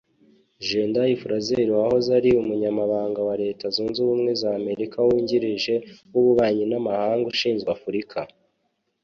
Jendayi Frazer wahoze ari Umunyamabanga wa Leta Zunze Ubumwe za Amerika wungirije uw’Ububanyi n’Amahanga ushinzwe Afurika